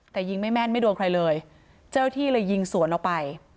แต่ยิงไม่แม่นไม่โดนใครเลยเจ้าที่เลยยิงสวนออกไป